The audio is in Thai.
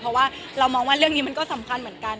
เพราะว่าเรามองว่าเรื่องนี้มันก็สำคัญเหมือนกัน